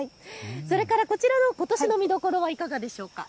それから、こちらのことしの見どころはいかがでしょうか。